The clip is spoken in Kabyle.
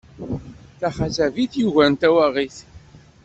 Taxazabit yugaren tawaɣit.